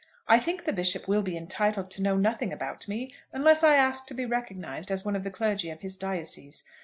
I think the Bishop will be entitled to know nothing about me unless I ask to be recognised as one of the clergy of his diocese."